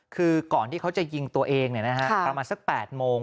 คือก่อนที่เขาจะยิงตัวเองเนี่ยนะคะประมาณสักแปดโมง